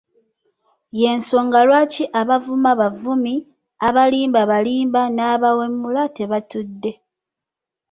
Y'ensonga lwaki abavuma bavumi, abalimba balimba n'abawemula tebatudde!